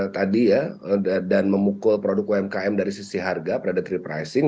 tadi ya dan memukul produk umkm dari sisi harga predatory pricing